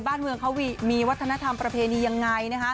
บ้านเมืองเขามีวัฒนธรรมประเพณียังไง